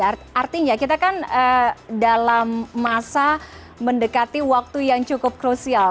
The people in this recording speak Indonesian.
berarti kita dalam masa mendekati waktu yang cukup krusial